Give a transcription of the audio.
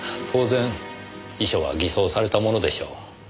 当然遺書は偽装されたものでしょう。